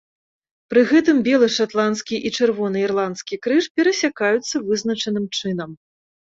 Пры гэтым белы шатландскі і чырвоны ірландскі крыж перасякаюцца вызначаным чынам.